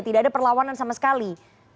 tidak ada perlawanan sama sekali